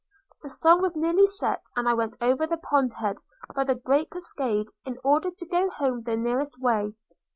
The sun was nearly set, and I went over the pond head by the great cascade, in order to go home the nearest way.